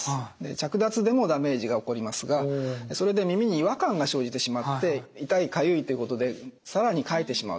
着脱でもダメージが起こりますがそれで耳に違和感が生じてしまって痛いかゆいということで更にかいてしまうと。